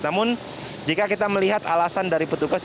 namun jika kita melihat alasan dari petugas